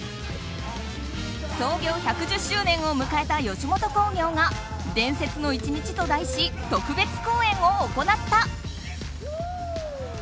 創業１１０周年を迎えた吉本興業が「伝説の一日」と題し特別公演を行った。